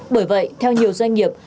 bởi vậy theo nhiều doanh nghiệp